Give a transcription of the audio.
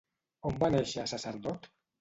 On va néixer Sacerdot?